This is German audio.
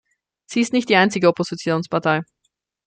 Sie ist nicht die einzige Oppositionspartei.